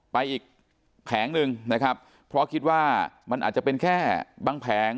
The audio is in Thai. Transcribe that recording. ไปอีกแผงหนึ่งนะครับเพราะคิดว่ามันอาจจะเป็นแค่บางแผง